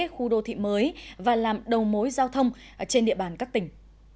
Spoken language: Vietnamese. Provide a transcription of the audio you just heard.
khu đô thị mới và làm đầu mối giao thông trên địa bàn các tỉnh